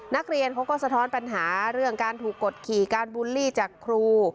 นักเรียนเขาก็สะท้อนปัญหาเรื่องการถูกกดขี่การบูลลี่จากครู